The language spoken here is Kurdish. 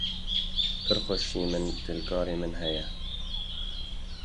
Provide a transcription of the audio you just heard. Pir xweşî min tê lê karê min heye.